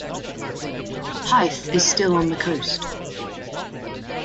Hythe is still on the coast.